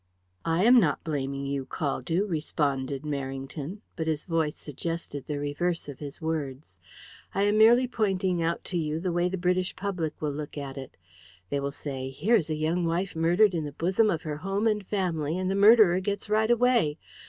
"I am not blaming you, Caldew," responded Merrington, but his voice suggested the reverse of his words. "I am merely pointing out to you the way the British public will look at it. They will say, 'Here is a young wife murdered in the bosom of her home and family, and the murderer gets right away.